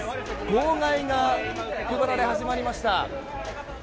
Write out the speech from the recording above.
号外が配られ始めました。